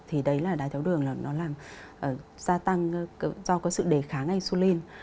thì đấy là đài theo đường nó làm gia tăng do có sự đề kháng insulin